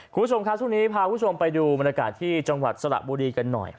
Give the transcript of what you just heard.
คุณผู้ชมครับช่วงนี้พาคุณผู้ชมไปดูบรรยากาศที่จังหวัดสระบุรีกันหน่อย